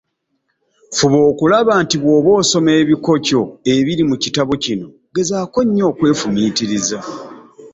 Fuba okulaba nti bw’oba osoma ebikoco ebiri mu kitabo kino gezaako nnyo okwefumiitiriza.